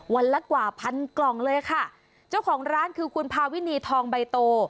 ละกว่าพันกล่องเลยค่ะเจ้าของร้านคือคุณพาวินีทองใบโต